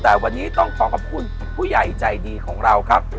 แต่วันนี้ต้องขอขอบคุณผู้ใหญ่ใจดีของเราครับ